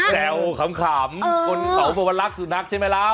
ขำคนเขาบอกว่ารักสุนัขใช่ไหมล่ะ